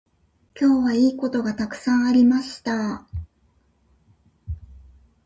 今日はいいことがたくさんありました。